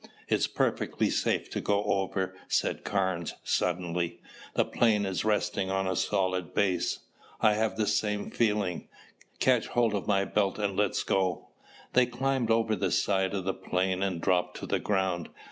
"It's perfectly safe to go over," said Carnes suddenly. "The plane is resting on a solid base." "I have the same feeling. Catch hold of my belt and let's go." They climbed over the side of the plane and dropped to the ground.